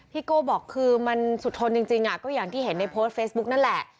โก้บอกคือมันสุดทนจริงก็อย่างที่เห็นในโพสต์เฟซบุ๊กนั่นแหละ